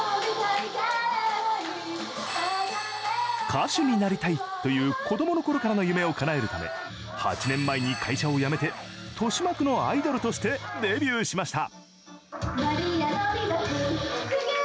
歌手になりたいという子どものころからの夢をかなえるため８年前に会社を辞めて豊島区のアイドルとしてデビューしました。